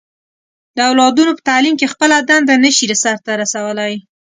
د اولادونو په تعليم کې خپله دنده نه شي سرته رسولی.